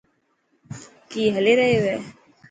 ڪي هلي ريو هي.